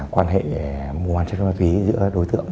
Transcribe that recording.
quan hệ muôn chất ma túy giữa đối tượng